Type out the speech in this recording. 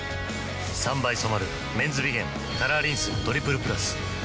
３倍染まる「メンズビゲンカラーリンストリプルプラス」